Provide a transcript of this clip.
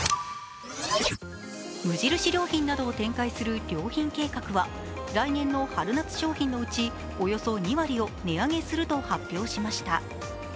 無印良品などを展開する良品計画は来年の春夏商品のうちおよそ２割を値上げすると発表しました。